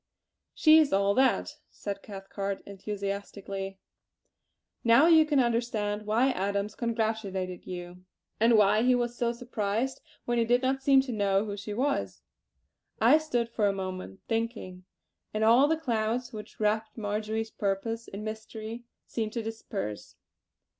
"She is all that!" said Cathcart enthusiastically. "Now you can understand why Adams congratulated you; and why he was so surprised when you did not seem to know who she was." I stood for a moment thinking, and all the clouds which wrapped Marjory's purpose in mystery seemed to disperse.